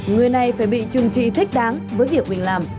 người này phải bị trừng trị thích đáng với việc mình làm